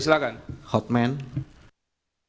silakan hotman hai hai